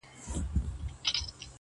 نو بیا ولي ګیله من یې له اسمانه.!